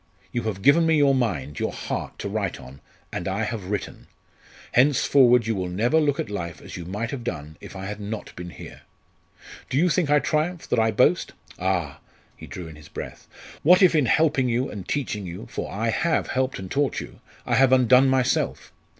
you have given me your mind, your heart to write on, and I have written. Henceforward you will never look at life as you might have done if I had not been here. Do you think I triumph, that I boast? Ah!" he drew in his breath "What if in helping you, and teaching you for I have helped and taught you! I have undone myself?